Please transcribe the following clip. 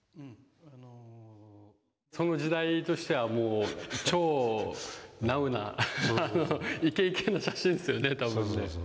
その時代としてはもう超ナウなイケイケの写真ですよね多分ね。